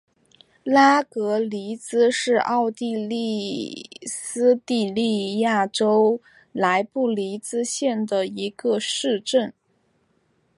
拉格尼茨是奥地利施蒂利亚州莱布尼茨县的一个市镇。